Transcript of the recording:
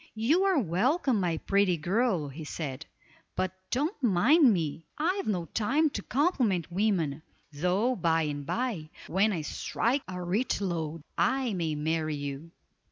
"You are welcome, my pretty girl," he said, "but don't mind me; I've no time to compliment women, though by and by, when I strike a rich lode, I may marry you."